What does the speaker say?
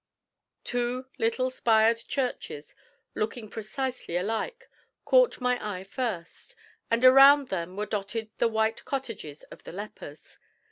Two little spired churches, looking precisely alike, caught my eye first, and around them were dotted the white cottages of the lepers.